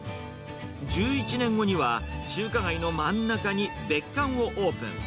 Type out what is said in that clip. １１年後には、中華街の真ん中に別館をオープン。